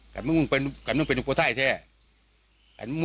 ขันมันเป็นลูกประสาทอีดีกว่า